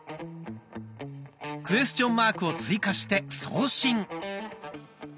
クエスチョンマークを追加して送信。